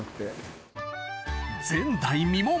前代未聞！